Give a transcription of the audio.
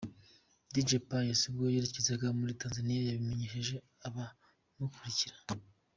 Dj Pius ubwo yerekezaga muri Tanzania yabimenyeshsje abamukurikira.